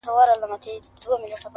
لهشاوردروميګناهونهيېدلېپاتهسي,